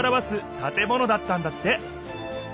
建物だったんだって。